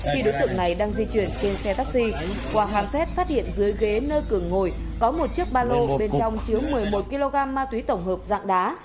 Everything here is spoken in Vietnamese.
khi đối tượng này đang di chuyển trên xe taxi qua ham xét phát hiện dưới ghế nơi cường ngồi có một chiếc ba lô bên trong chứa một mươi một kg ma túy tổng hợp dạng đá